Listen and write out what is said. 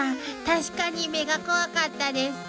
確かに目が怖かったです］